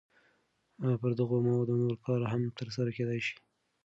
پر دغو موادو نور کار هم تر سره کېدای شي.